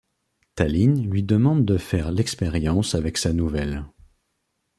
Tallinn lui demande de faire l'expérience avec sa nouvelle.